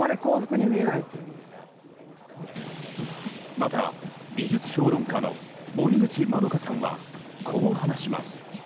また、美術評論家の森口まどかさんはこう話します。